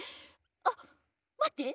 あっまって！